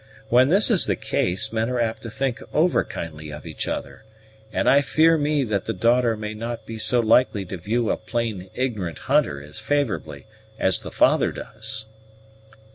When this is the case, men are apt to think over kindly of each other; and I fear me that the daughter may not be so likely to view a plain ignorant hunter as favorably as the father does."